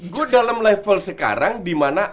gue dalam level sekarang dimana